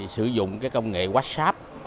sử dụng cái công nghệ whatsapp